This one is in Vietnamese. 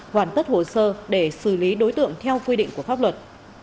hoàn tất hồ sơ để xử lý đối tượng theo quy định của pháp luật